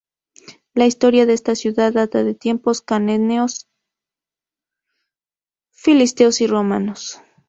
La historia de esta ciudad data de tiempos cananeos, filisteos y romanos.